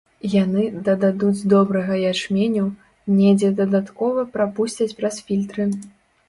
Яны дададуць добрага ячменю, недзе дадаткова прапусцяць праз фільтры.